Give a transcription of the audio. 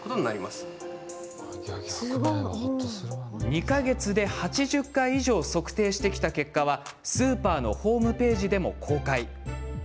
２か月で８０回以上測定してきた結果はスーパーのホームページでも公開。